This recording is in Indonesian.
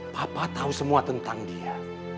papa tahu semua tentang dia